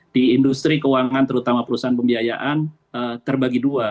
di industri keuangan terutama perusahaan pembiayaan terbagi dua